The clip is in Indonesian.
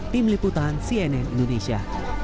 tim liputan cnn indonesia